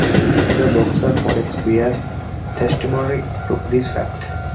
The Boxer Codex bears testimony to this fact.